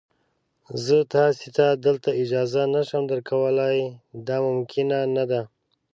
زه تاسي ته دلته اجازه نه شم درکولای، دا ممکنه نه ده.